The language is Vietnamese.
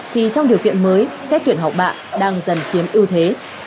khi trong điều kiện mới xét tuyển học bạn đang dần chiếm ưu thế